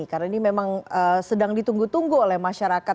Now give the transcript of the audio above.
karena ini memang sedang ditunggu tunggu oleh masyarakat